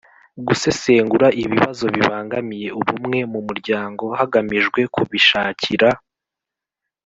gusesengura ibibazo bibangamiye ubumwe mu muryango hagamijwe kubishakira